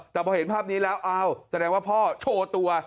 แต่พอเห็นภาพนี้แล้วอ้าวแสดงว่าพ่อโชว์ตัว